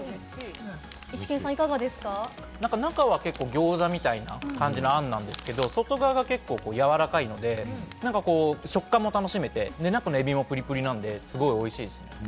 中は結構ギョーザみたいな感じの餡なんですけれども、外側が結構柔らかいので、食感も楽しめて、中のエビもプリプリなので、すごいおいしいです。